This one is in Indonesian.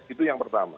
itu yang pertama